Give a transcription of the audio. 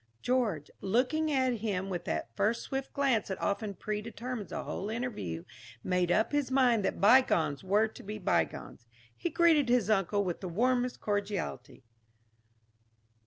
George, looking at him with that first swift glance that often predetermines a whole interview, made up his mind that bygones were to be bygones. He greeted his uncle with the warmest cordiality.